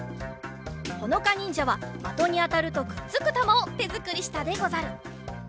ほのかにんじゃはまとにあたるとくっつくたまをてづくりしたでござる。